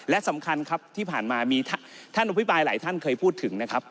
และสำคัญครับที่ผ่านมามีท่านอภิปรายหลายท่านเคยพูดถึงนะครับ